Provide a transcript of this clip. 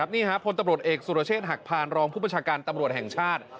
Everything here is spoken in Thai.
นี่พลตำรวจเอกสุรเชษฐหักพานรองผู้ประชาการตำรวจแห่งชาติ